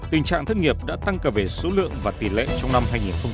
tình trạng thất nghiệp đã tăng cả về số lượng và tỷ lệ trong năm hai nghìn hai mươi ba